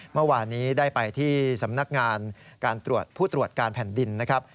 เมื่อวานนี้ได้ไปที่สำนักงานการตรวจผู้ตรวจการแผ่นดินนะครับ